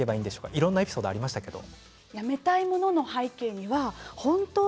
いろんなエピソードがありましたけど。